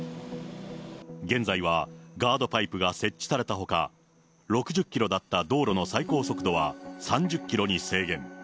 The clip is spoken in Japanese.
現在はガードパイプが設置されたほか、６０キロだった道路の最高速度は、３０キロに制限。